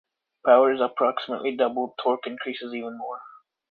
Power is approximately doubled; torque increases even more.